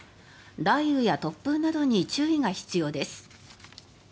雷雨や突風などに注意が必要です。